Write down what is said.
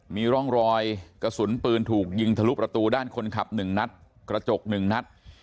มีร่องรอยกระสุนปืนถูกยิงทะลุประตูด้านคนขับ๑นัดกระจก๑นัด